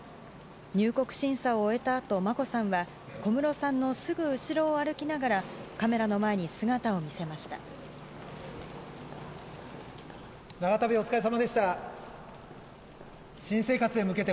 入国審査を終えたあと眞子さんは小室さんのすぐ後ろを歩きながらカメラの前に姿を見せました。